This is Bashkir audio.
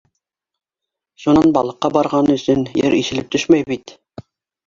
— Шунан балыҡҡа барған өсөн ер ишелеп төшмәй бит.